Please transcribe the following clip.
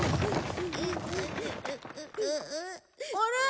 あれ？